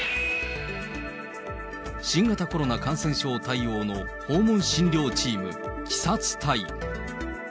新型コロナ感染症対応の訪問診療チーム、キサ２隊。